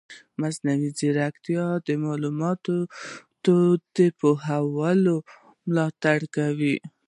مصنوعي ځیرکتیا د معلوماتي پوهاوي ملاتړ کوي.